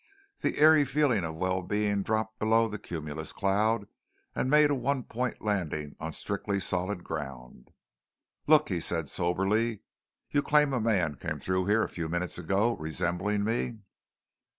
The airy feeling of well being dropped below the cumulus cloud and made a one point landing on strictly solid ground. "Look," he said soberly. "You claim a man came through here a few minutes ago, resembling me?"